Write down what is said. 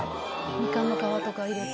みかんの皮とか入れて。